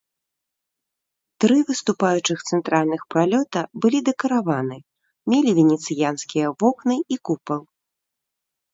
Тры выступаючых цэнтральных пралёта былі дэкараваны, мелі венецыянскія вокны і купал.